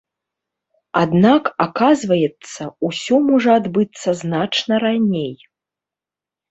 Аднак, аказваецца, усё можа адбыцца значна раней.